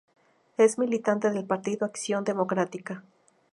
Es militante del partido Acción Democrática.